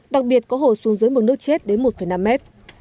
đặc biệt có hồ xuống dưới mực nước chết đến một năm mét